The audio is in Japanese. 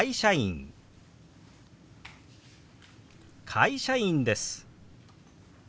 「会社員です」。